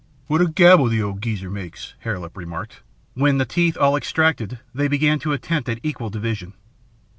"What a gabble the old geezer makes," Hare Lip remarked, when, the teeth all extracted, they began an attempt at equal division.